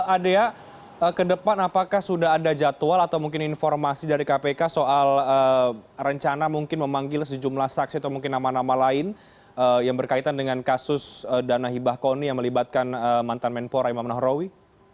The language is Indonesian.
adea ke depan apakah sudah ada jadwal atau mungkin informasi dari kpk soal rencana mungkin memanggil sejumlah saksi atau mungkin nama nama lain yang berkaitan dengan kasus dana hibah koni yang melibatkan mantan menpora imam nahrawi